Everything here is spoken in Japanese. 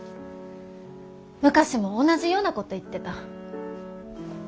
昔も同じようなこと言ってた。